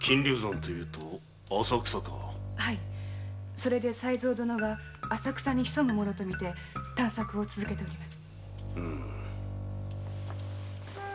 それで才三殿が浅草にひそむ者と見て探索を続けております。